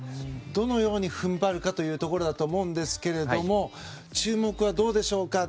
どのように踏ん張るかというところだと思うんですが注目はどうでしょうか。